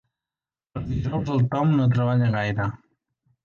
Els dijous el Tom no treballa gaire.